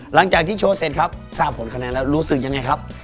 หลังจากที่โชว์เสร็จครับทราบผลคะแนนแล้วรู้สึกยังไงครับ